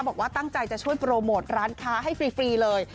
บอกว่าตั้งใจจะช่วยโปรโมทร้านค้าให้ฟรีเลย